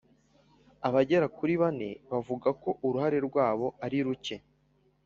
Abagera kuri bane bavuga ko uruhare rwabo ariruke.